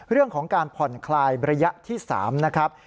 เรื่องของการผ่อนคลายระยะที่๓นะครับ